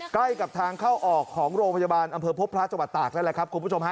ใกล้กับทางเข้าออกของโรงพยาบาลอำเภอพบพระจังหวัดตากนั่นแหละครับคุณผู้ชมฮะ